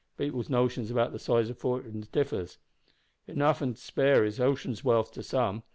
People's notions about the size o' fortins differs. Enough an' to spare is ocean's wealth to some.